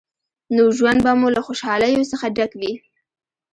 نو ژوند به مو له خوشحالیو څخه ډک وي.